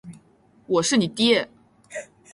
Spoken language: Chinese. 我是你爹！